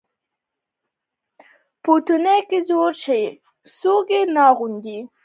بوټونه که زوړ شي، څوک یې نه اغوندي.